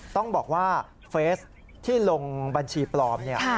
ต้องบอกว่าเฟสที่ลงบัญชีปลอมเนี่ย